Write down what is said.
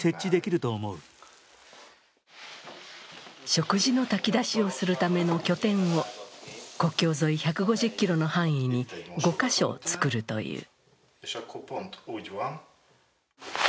食事の炊き出しをするための拠点を国境沿い１５０ｋｍの範囲に５カ所作るという。